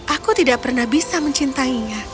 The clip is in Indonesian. aku tidak pernah bisa mencintainya